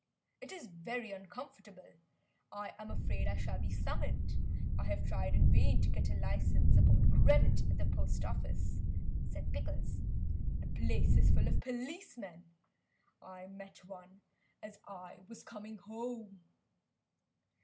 "It is very uncomfortable, I am afraid I shall be summoned. I have tried in vain to get a licence upon credit at the Post Office;" said Pickles. "The place is full of policemen. I met one as I was coming home."